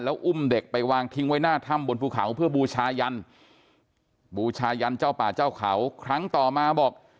อุ้มเด็กไปวางทิ้งไว้หน้าถ้ำบนภูเขาเพื่อบูชายันบูชายันเจ้าป่าเจ้าเขาครั้งต่อมาบอก